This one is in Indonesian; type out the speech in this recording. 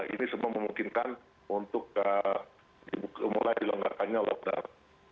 ini semua memungkinkan untuk mulai dilonggarkannya lockdown